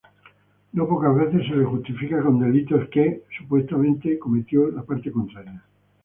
No pocas veces se les justifica con delitos que, supuestamente, cometió la parte contraria.